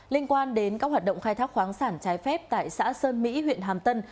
liên quan đến các hoạt động khai thác khoáng sản trái phép tại xã sơn mỹ huyện hàm tân